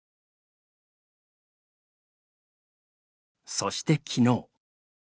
そして昨日。